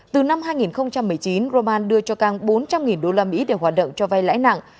từ năm hai nghìn một mươi chín roman đưa cho cang bốn trăm linh usd để hoạt động cho vay lãi nặng